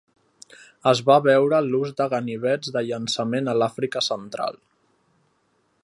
Es va veure l"ús de ganivets de llançament a l'Àfrica central.